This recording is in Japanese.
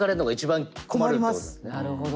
なるほど。